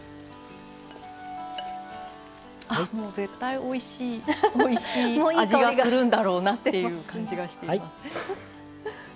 おいしい味がするんだろうなっていう感じがしています。